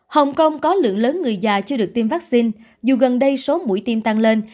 hồng kông có lượng lớn người già chưa được tiêm vaccine dù gần đây số mũi tiêm tăng lên